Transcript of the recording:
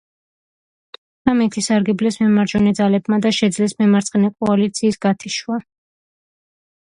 ამით ისარგებლეს მემარჯვენე ძალებმა და შეძლეს მემარცხენე კოალიციის გათიშვა.